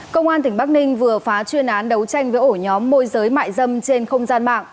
công an tỉnh bắc ninh vừa phá chuyên án đấu tranh với ổ nhóm môi giới mại dâm trên không gian mạng